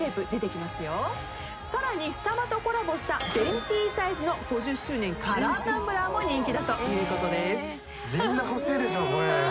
さらにスタバとコラボしたベンティサイズの５０周年カラータンブラーも人気だということです。